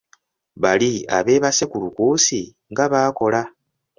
Bali abeebase ku lukuusi nga baakola!